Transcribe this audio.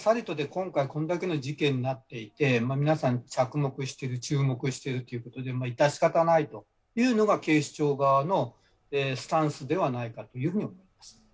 今回、これだけの事件になっていて皆さん、注目しているということで致し方ないというのが警視庁側のスタンスではないかというふうに思います。